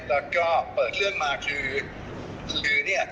แล้วก็เปิดเรื่องขวาคมพอเรื่องมากคือ